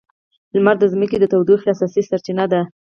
لمر د ځمکې د تودوخې اساسي سرچینه ده.